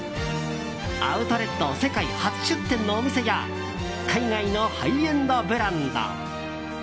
アウトレット世界初出店のお店や海外のハイエンドブランド。